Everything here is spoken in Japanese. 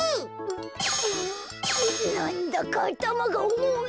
うっなんだかあたまがおもい。